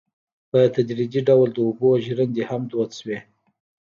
په تدریجي ډول د اوبو ژرندې هم دود شوې.